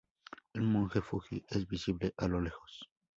El monte Fuji es visible a lo lejos.